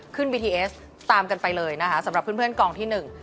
บีทีเอสตามกันไปเลยนะคะสำหรับเพื่อนเพื่อนกองที่หนึ่ง